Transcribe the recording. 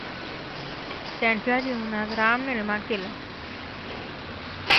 त्यांच्या जीवनात राम निर्माण केला.